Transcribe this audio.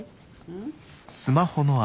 うん？